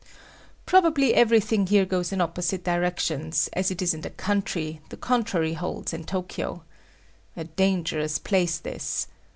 Probably everything here goes in opposite directions as it is in the country, the contrary holds in Tokyo. A dangerous place, this.